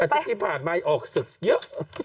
อาทิตย์ที่ผ่านมาออกศึกเยอะ